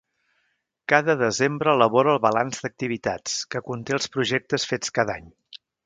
Cada desembre elabora el Balanç d'Activitats, que conté els projectes fets cada any.